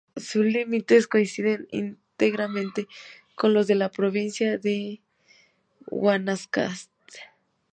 Sus límites coinciden íntegramente con los de la provincia de Guanacaste.